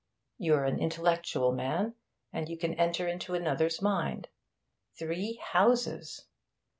You're an intellectual man, and you can enter into another's mind. Three houses!